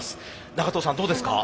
長藤さんどうですか？